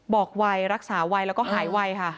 ไวรักษาไวแล้วก็หายไวค่ะ